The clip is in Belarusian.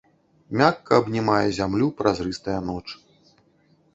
Мякка абнімае зямлю празрыстая ноч.